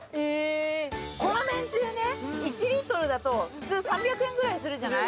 このめんつゆね１リットルだと普通３００円ぐらいするじゃない？